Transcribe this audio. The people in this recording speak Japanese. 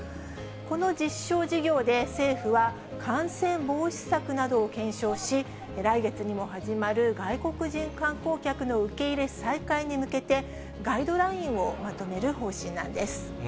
この実証事業で、政府は感染防止策などを検証し、来月にも始まる外国人観光客の受け入れ再開に向けて、ガイドラインをまとめる方針なんです。